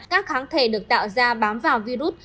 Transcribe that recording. các kháng thể được tạo ra bám vào virus